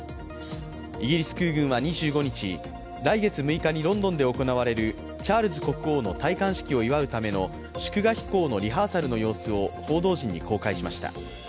イギリス空軍は２５日、来月６日にロンドンで行われるチャールズ国王の戴冠式を祝うための祝賀飛行のリハーサルの様子を報道陣に公開しました。